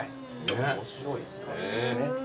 面白いですね。